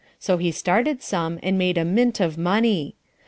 So he started some and made a mint of money.